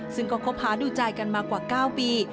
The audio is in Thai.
ซึ่งก็คบหาดูใจกันมากว่า๙ปี